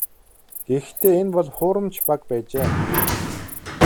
Гэхдээ энэ бол хуурамч баг байжээ.